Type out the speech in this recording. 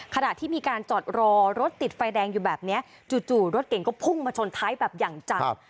ขณะที่มีการจอดรอรถติดไฟแดงอยู่แบบนี้จู่รถเก่งก็พุ่งมาชนท้ายแบบอย่างจัง